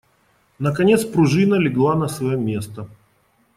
Наконец пружина легла на свое место.